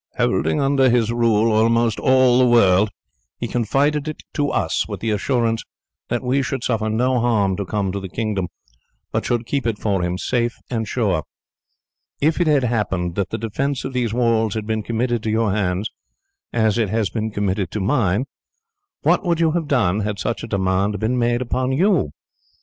Holding under his rule almost all the world, he confided it to us, with the assurance that we should suffer no harm to come to the kingdom, but should keep it for him safe and sure. If it had happened that the defence of these walls had been committed to your hands, as it has been committed to mine, what would you have done had such a demand been made upon you?